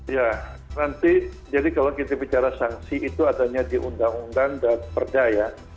ya nanti jadi kalau kita bicara sanksi itu adanya di undang undang dan perda ya